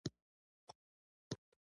په روژه کې خرما خوړل سنت دي.